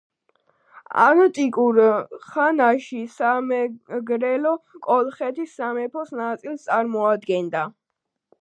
ანტიკურ ხანაში სამეგრელო კოლხეთის სამეფოს ნაწილს წარმოადგენდა.